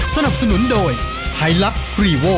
สนับสนุนโดยไฮลักษ์รีโว